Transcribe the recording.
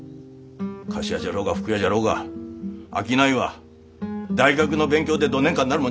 菓子屋じゃろうが服屋じゃろうが商いは大学の勉強でどねんかなるもんじゃねえ。